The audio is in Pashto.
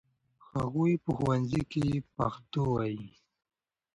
هغوی په ښوونځي کې پښتو وايي.